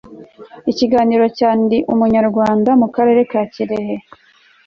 Ikiganiro cya Ndi Umunyarwanda mu Karere ka Kirehe